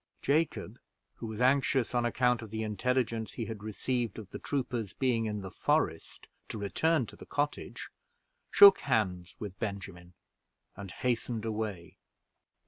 Jacob, who was anxious, on account of the intelligence he had received of the troopers being in the forest, to return to the cottage, shook hands with Benjamin, and hastened away.